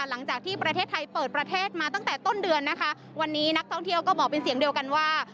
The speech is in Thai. หลังจากที่ประเทศไทยเปิดประเทศมาตั้งแต่ต้นเดือนนะคะวันนี้นักท่องเที่ยวก็บอกเป็นเสียงเดียวกันว่า